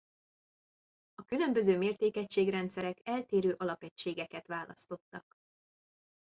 A különböző mértékegységrendszerek eltérő alapegységeket választottak.